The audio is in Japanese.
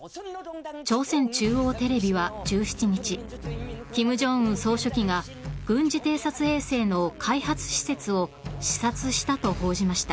朝鮮中央テレビは１７日金正恩総書記が軍事偵察衛星の開発施設を視察したと報じました。